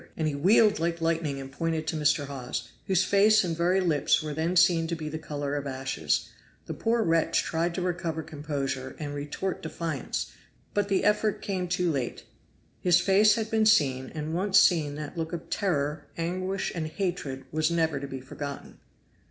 and he wheeled like lightning and pointed to Mr. Hawes, whose face and very lips were then seen to be the color of ashes. The poor wretch tried to recover composure, and retort defiance; but the effort came too late. His face had been seen, and once seen that look of terror, anguish and hatred was never to be forgotten.